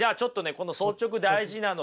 この「率直」大事なのでね